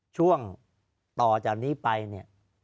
ช่วงต่อจากนี้ไปเนี่ย